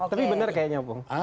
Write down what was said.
tapi benar kayaknya opung